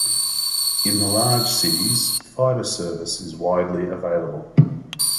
In the large cities, fiber service is widely available.